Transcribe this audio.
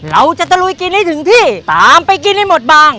ตะลุยกินให้ถึงที่ตามไปกินให้หมดบาง